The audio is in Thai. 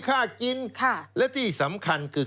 ค่ากินและที่สำคัญคือ